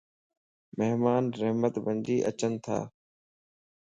مھمان رحمت بنجي اچينتا